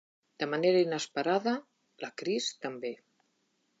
De manera inesperada, la Chris també.